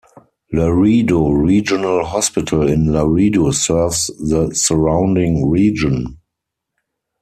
Laredo Regional Hospital in Laredo serves the surrounding region.